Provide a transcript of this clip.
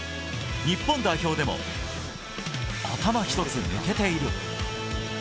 日本代表でも頭一つ抜けている。